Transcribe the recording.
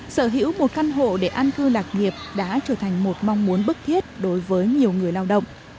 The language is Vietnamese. sở hữu một căn hộ để ăn cư lạc nghiệp đã trở thành một mong muốn bức thiết đối với nhiều người lao động